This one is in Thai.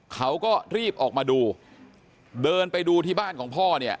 เขาก็รีบออกมาดูเดินไปดูที่บ้านของพ่อเนี่ย